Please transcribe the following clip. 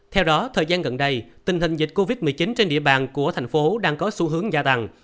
theo đó thời gian gần đây tình hình dịch covid một mươi chín trên địa bàn của thành phố đang có xu hướng gia tăng